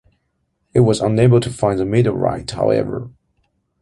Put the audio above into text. It was unable to find the meteorite, however.